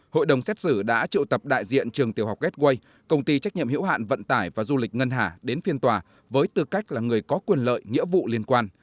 hội đồng xét xử đã triệu tập đại diện trường tiểu học gateway công ty trách nhiệm hiểu hạn vận tải và du lịch ngân hà đến phiên tòa với tư cách là người có quyền lợi nghĩa vụ liên quan